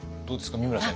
美村さん